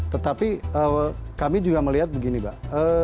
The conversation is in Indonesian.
tetapi kami juga melihat begini mbak